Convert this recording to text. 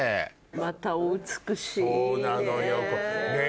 またお美しいね。